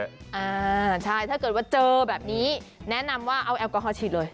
อ่าใช่ถ้าเกิดว่าเจอแบบนี้แนะนำว่าเอาแอลกอฮอลฉีดเลย